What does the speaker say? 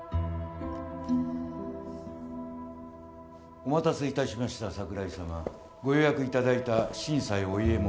お待たせいたしました櫻井様ご予約いただいた心斎お家元